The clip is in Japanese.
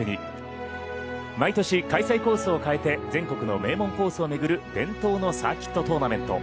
毎年、開催コースを変えて全国の名門コースを巡る伝統のサーキットトーナメント。